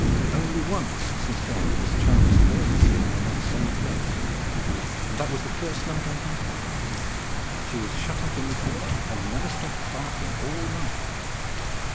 Only once since then has Chance failed to sleep in that same place, and that was the first night I had her. She was shut up in the kennel and never stopped barking all night.